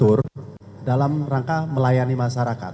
transvasasi juga merupakan suatu kebutuhan mendasar di masyarakat